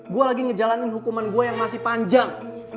gua lagi ngejalanin hukuman gua yang masih panjang